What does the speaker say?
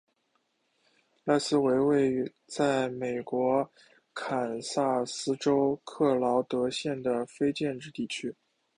赖斯为位在美国堪萨斯州克劳德县的非建制地区。